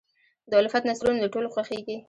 د الفت نثرونه د ټولو خوښېږي.